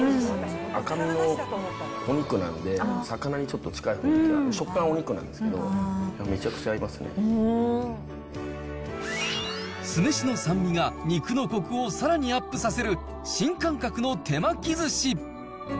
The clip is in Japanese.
赤身のお肉なんで、魚にちょっと近いというか、食感お肉なんですけど、めちゃくちゃ酢飯の酸味が肉のこくをさらにアップさせる新感覚の手巻きずし。